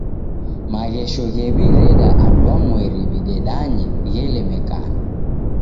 Maghesho ghew'ireda andwamweri w'idedanye ghelemekana.